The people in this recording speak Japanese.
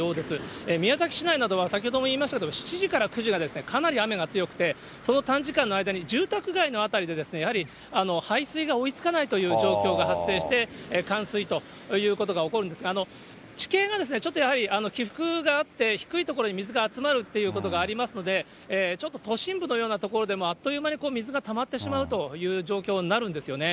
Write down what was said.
宮崎市内などは先ほど言いましたように、７時から９時がかなり雨がひどくて、その短時間の間に住宅街の辺りで、やはり排水が追いつかないという状況が発生して、冠水ということが起こるんですが、地形がちょっとやはり起伏があって、低い所に水が集まるということがありますので、ちょっと都心部のような所でもあっという間に水がたまってしまうという状況になるんですよね。